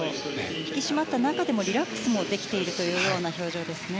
引き締まった中でもリラックスできている表情ですね。